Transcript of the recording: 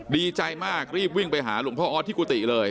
ดีใจมากรีบวิ่งไปหาหลวงพ่อออสที่กุฏิเลย